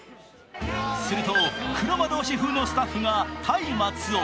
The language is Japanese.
すると黒魔道士風のスタッフがたいまつを。